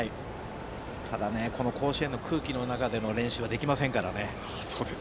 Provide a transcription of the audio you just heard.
ただ、この甲子園の空気の中での練習はできませんからね。